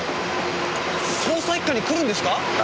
捜査一課に来るんですか？